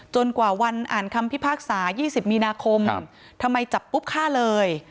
กว่าวันอ่านคำพิพากษา๒๐มีนาคมทำไมจับปุ๊บฆ่าเลย